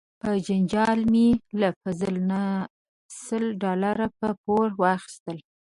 په جنجال مې له فضل نه سل ډالره په پور واخیستل.